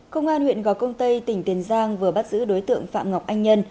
công an huyện gò công tây tỉnh tiền giang vừa bắt giữ đối tượng phạm ngọc anh nhân